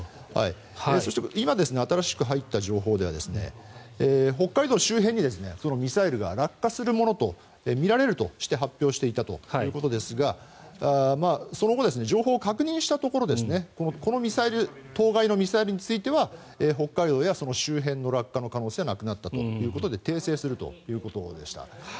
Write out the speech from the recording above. そして今、新しく入った情報では北海道周辺にミサイルが落下するものとみられるとして発表していたということですがその後、情報を確認したところこの当該のミサイルについては北海道やその周辺の落下の可能性はなくなったということで訂正するということでした。